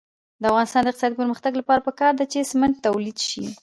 د افغانستان د اقتصادي پرمختګ لپاره پکار ده چې سمنټ تولید شي.